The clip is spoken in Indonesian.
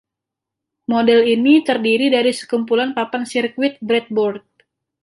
Model ini terdiri dari sekumpulan papan sirkuit breadboard.